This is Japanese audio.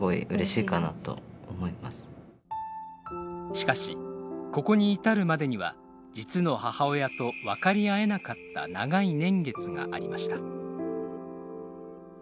しかしここに至るまでには実の母親と分かり合えなかった長い年月がありました。